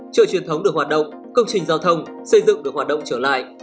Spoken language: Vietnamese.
chợ truyền thống được hoạt động công trình giao thông xây dựng được hoạt động trở lại